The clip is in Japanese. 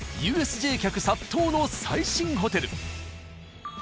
ＵＳＪ客殺到の最新ホテル。